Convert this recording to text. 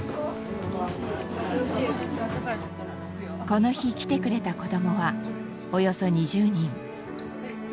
この日来てくれた子どもはおよそ２０人。